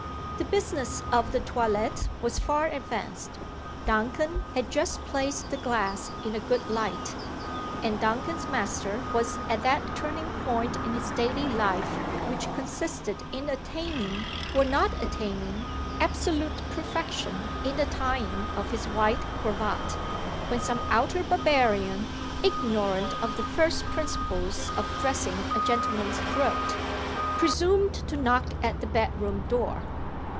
The business of the toilet was far advanced. Duncan had just placed the glass in a good light; and Duncan's master was at that turning point in his daily life which consisted in attaining, or not attaining, absolute perfection in the tying of his white cravat when some outer barbarian, ignorant of the first principles of dressing a gentleman's throat, presumed to knock at the bedroom door.